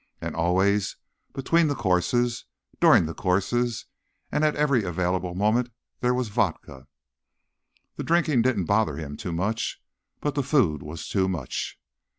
And always, between the courses, during the courses and at every available moment, there was vodka. The drinking didn't bother him too much. But the food was too much.